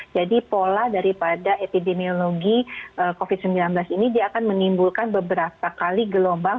jadi pola daripada epidemiologi covid sembilan belas ini dia akan menimbulkan beberapa kali gelombang